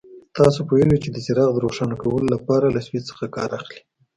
تاسو پوهېږئ چې د څراغ د روښانه کولو لپاره له سویچ څخه کار اخلي.